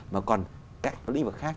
mà còn các lĩnh vực khác